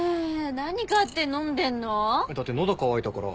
何勝手に飲んでんの？だって喉渇いたから。